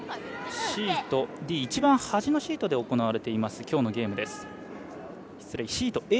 ＣとＡ、端のシートで行われています、きょうのゲーム。